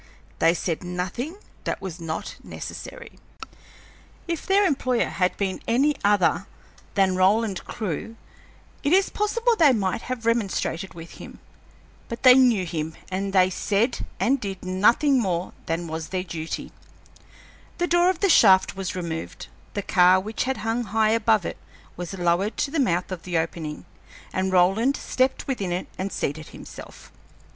They said nothing that was not necessary. If their employer had been any other man than Roland Clewe it is possible they might have remonstrated with him. But they knew him, and they said and did nothing more than was their duty. The door of the shaft was removed, the car which had hung high above it was lowered to the mouth of the opening, and Roland stepped within it and seated himself.